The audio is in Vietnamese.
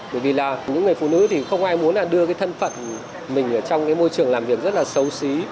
bởi vì là những người phụ nữ thì không ai muốn là đưa cái thân phận mình ở trong cái môi trường làm việc rất là xấu xí